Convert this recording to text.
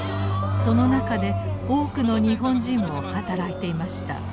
その中で多くの日本人も働いていました。